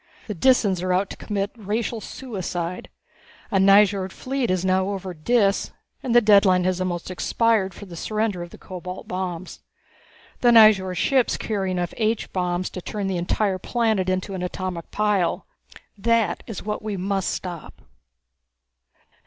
The Disans are out to commit racial suicide. A Nyjord fleet is now over Dis and the deadline has almost expired for the surrender of the cobalt bombs. The Nyjord ships carry enough H bombs to turn the entire planet into an atomic pile. That is what we must stop."